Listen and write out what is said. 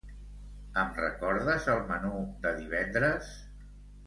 Em recordes el menú de divendres?